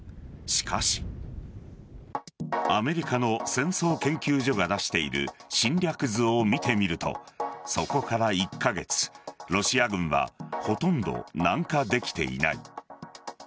しかしアメリカの戦争研究所が出している侵略図を見てみるとそこから１カ月ロシア軍はほとんど南下できていない。